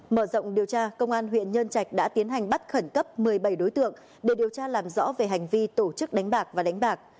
mở rộng điều tra công an huyện nhân trạch đã tiến hành bắt khẩn cấp một mươi bảy đối tượng để điều tra làm rõ về hành vi tổ chức đánh bạc và đánh bạc